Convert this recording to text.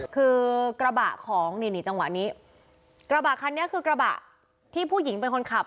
คือกระบะของนี่นี่จังหวะนี้กระบะคันนี้คือกระบะที่ผู้หญิงเป็นคนขับ